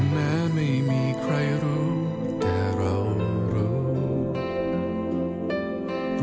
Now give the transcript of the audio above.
แม้ไม่มีใครรู้แต่เรารู้